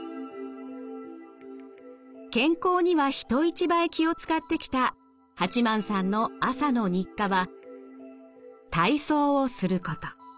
健康には人一倍気を遣ってきた八幡さんの朝の日課は体操をすること。